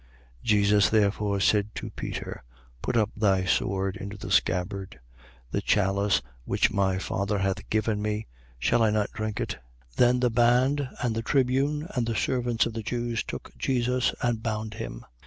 18:11. Jesus therefore said to Peter: Put up thy sword into the scabbard. The chalice which my father hath given me, shall I not drink it? 18:12. Then the band and the tribune and the servants of the Jews took Jesus and bound him.